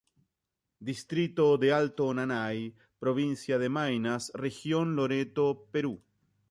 Distrito de Alto Nanay, provincia de Maynas, región Loreto, Perú.